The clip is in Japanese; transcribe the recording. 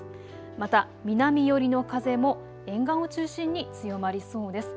また南寄りの風も沿岸を中心に強まりそうです。